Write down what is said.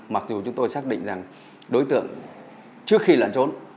mặc dù chúng tôi xác định rằng đối tượng trước khi lẩn trốn